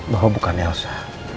bahwa bukan elsa